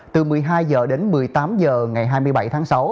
từ một mươi hai giờ đến một mươi tám giờ ngày hai mươi bảy tháng sáu